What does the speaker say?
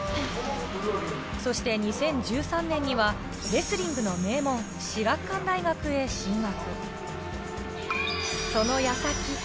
そして２０１３年にはレスリングの名門・至学館大学へ進学。